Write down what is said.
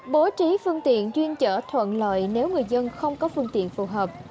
bố trí phương tiện chuyên chở thuận lợi nếu người dân không có phương tiện phù hợp